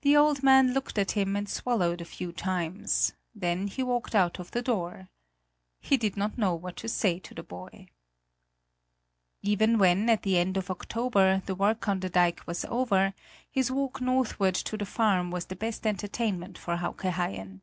The old man looked at him and swallowed a few times, then he walked out of the door. He did not know what to say to the boy. Even when, at the end of October, the work on the dike was over, his walk northward to the farm was the best entertainment for Hauke Haien.